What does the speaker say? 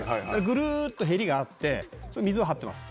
ぐるーっとへりがあって水は張ってます。